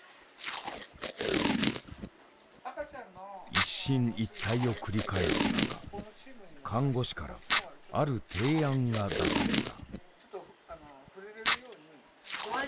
一進一退を繰り返す中看護師からある提案が出された。